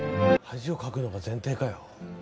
恥をかくのが前提かよ。